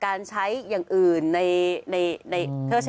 การใช้อย่างอื่นนี้